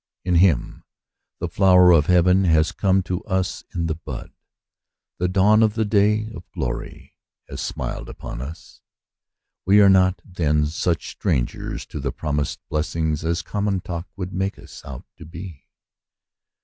In him the flower of heaven has come to us in the bud, the dawn of the day of glory has smiled upon us. We are not, then, such strangers to the promised blessing as common talk would make us out to be.